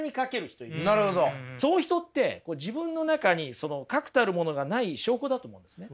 そういう人って自分の中に確たるものがない証拠だと思うんですね。